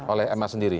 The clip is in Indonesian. oleh ma sendiri